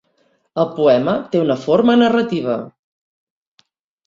El poema té una forma narrativa.